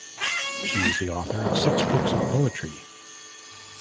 She is the author of six books of poetry.